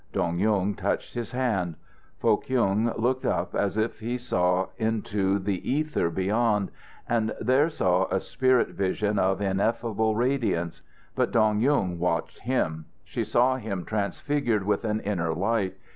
Dong Yung touched his hand. Foh Kyung looked up as if he saw into the ether beyond, and there saw a spirit vision of ineffable radiance. But Dong Yung watched him. She saw him transfigured with an inner light.